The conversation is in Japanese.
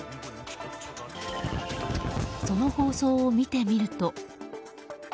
その放送を見てみると。